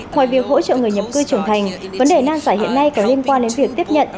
ngoài việc hỗ trợ người nhập cư trưởng thành vấn đề nan giải hiện nay có liên quan đến việc tiếp nhận